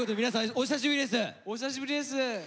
お久しぶりです。